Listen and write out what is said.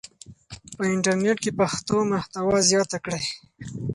په انټرنیټ کې پښتو محتوا زیاته کړئ.